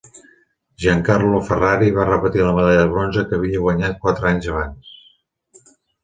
Giancarlo Ferrari va repetir la medalla de bronze que havia guanyat quatre anys abans.